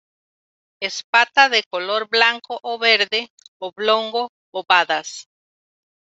Espata de color blanco o verde, oblongo-ovadas.